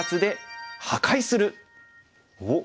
おっ！